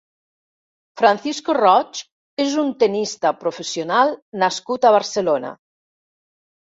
Francisco Roig és un tennista professional nascut a Barcelona.